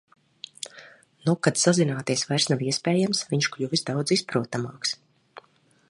Nu, kad sazināties vairs nav iespējams, viņš kļuvis daudz izprotamāks.